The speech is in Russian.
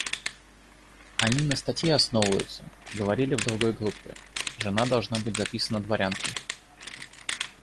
Они на статье основываются, — говорили в другой группе, — жена должна быть записана дворянкой.